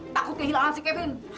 takut kehilangan si kevin